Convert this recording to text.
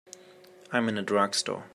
I'm in a drugstore.